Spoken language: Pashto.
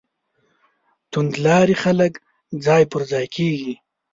توندلاري خلک ځای پر ځای کېږي.